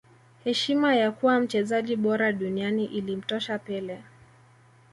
heshima ya kuwa mchezaji bora duniani ilimtosha pele